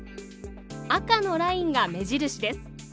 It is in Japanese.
赤のラインが目印です。